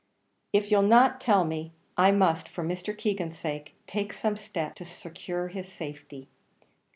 "If you'll not tell me, I must, for Mr. Keegan's sake, take some step to secure his safety.